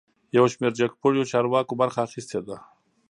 یوشمیر جګپوړیو چارواکو برخه اخیستې ده